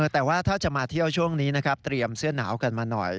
แต่ว่าถ้าจะมาเที่ยวช่วงนี้นะครับเตรียมเสื้อหนาวกันมาหน่อย